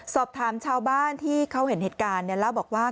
สอบถามชาวบ้านที่เขาเห็นเหตุการณ์เล่าบอกว่า